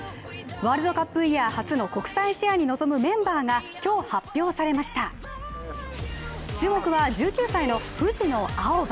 ワールドカップイヤー初の国際試合に臨むメンバーが今日発表されました注目は、１９歳の藤野あおば。